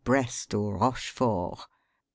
Brest, or Rochefort."